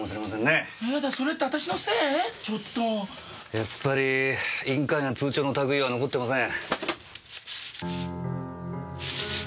やっぱり印鑑や通帳の類は残ってません。